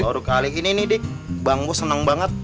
aduh kali ini nih dik bangmu senang banget